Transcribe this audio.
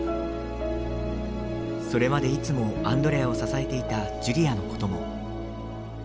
それまでいつもアンドレアを支えていたジュリアのことも。